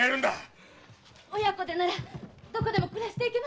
親子でならどこでも暮らしていけます！